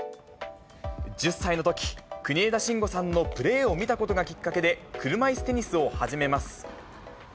１０歳のとき、国枝慎吾さんのプレーを見たことがきっかけで、車いすテニスを始めます。